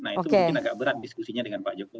nah itu mungkin agak berat diskusinya dengan pak jokowi